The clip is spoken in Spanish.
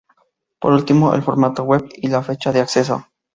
Por último, el formato —web— y la fecha de acceso.